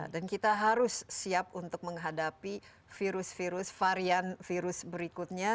dan kita harus siap untuk menghadapi virus virus varian virus berikutnya